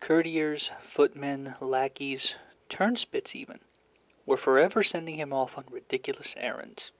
Courtiers, footmen, lackeys, turnspits even, were forever sending him off on ridiculous errands.